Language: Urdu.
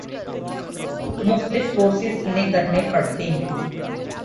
مختلف کورسز انہیں کرنے پڑتے ہیں۔